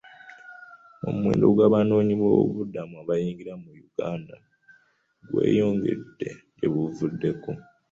Omuwendo gw'abanoonyboobubudamu abayingira mu Uganda gweyongedde gye buvuddeko.